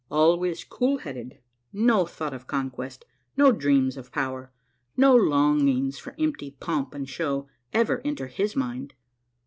Always cool headed, no thought of conquest, no dreams of power, no longings for empty pomp and show ever enter his mind.